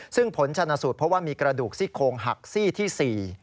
ซึ่งผลชนะสูตรเพราะว่ามีกระดูกซี่โคงหักซี่ที่๔